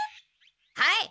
はい。